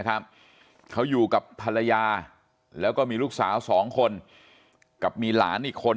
เขาอยู่กับภรรยาแล้วก็มีลูกสาว๒คนกับมีหลานอีกคน